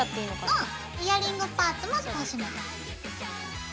うんイヤリングパーツも通します。